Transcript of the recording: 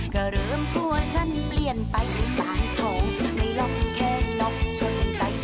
กระเริ่มผัวฉันเปลี่ยนไปสามโชงไม่รอบแค่นกชนใต้